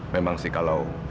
memang sih kalau